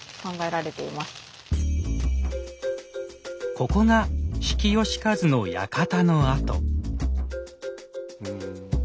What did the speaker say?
ここが比企能員の館の跡。